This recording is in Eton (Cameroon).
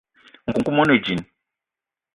Nkoukouma one djinn.